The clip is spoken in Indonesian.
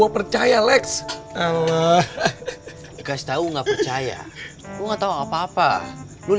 wah jadi seru